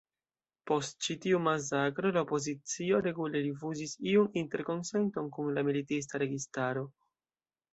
Post ĉi tiu masakro la opozicio regule rifuzis iun interkonsenton kun la militista registaro.